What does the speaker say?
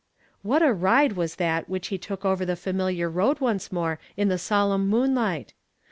What a ride was that wliich he took over the familiar road once more in the solemn moonlight